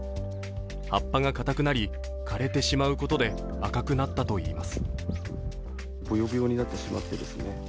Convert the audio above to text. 葉っぱが硬くなり枯れてしまうことで赤くなったといいます。